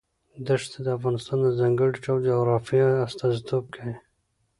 دښتې د افغانستان د ځانګړي ډول جغرافیه استازیتوب کوي.